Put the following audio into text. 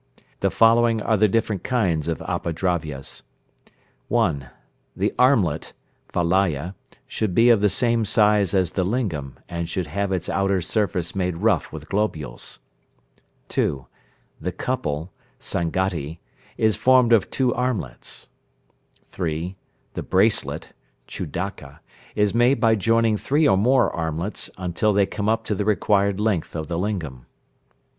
The following are the different kinds of Apadravyas. (1). "The armlet" (Valaya) should be of the same size as the lingam, and should have its outer surface made rough with globules. (2). "The couple" (Sanghati) is formed of two armlets. (3). "The bracelet" (Chudaka) is made by joining three or more armlets, until they come up to the required length of the lingam.